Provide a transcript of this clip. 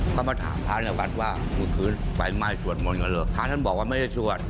ก็มาถามภาคนี้วัดว่าคือไฟไหม้สวดมนตร์กันเหรอภาคท่านบอกว่าไม่ได้สวด